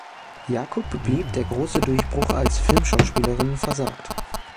Jakub blieb der große Durchbruch als Filmschauspielerin versagt.